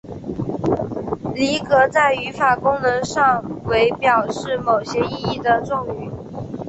离格在语法功能上为表示某些意义的状语。